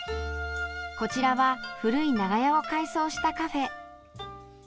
こちらは古い長屋を改装したカフェ。